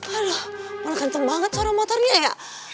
aduh malah ganteng banget orang motornya ya